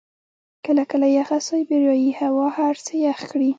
کله کله یخه سایبریايي هوا هر څه يخ کړي.